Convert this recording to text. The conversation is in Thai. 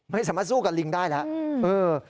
ไม่สามารถสู้กับลิงได้แล้ว